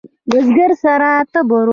بزگر سره تبر و.